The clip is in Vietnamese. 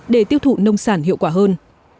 để tiêu thụ nông sản hiệu quả hơn